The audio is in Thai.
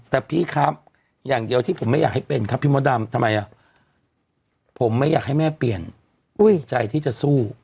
แต่พี่ครับอย่างเดียวที่ผมไม่อยากให้เป็นครับพี่มดดำทำไมผมไม่อยากให้แม่เปลี่ยนใจที่จะสู้